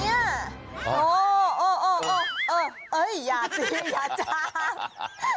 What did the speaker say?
เอาเมื่อไหร่จะได้กินอ่ะเนี่ย